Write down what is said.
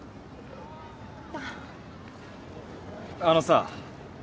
あのさ。